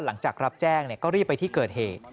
หลังจากรับแจ้งก็รีบไปที่เกิดเหตุ